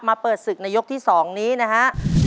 เปิดศึกในยกที่๒นี้นะฮะ